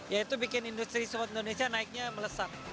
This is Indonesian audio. yaitu bikin industri sport indonesia naiknya melesat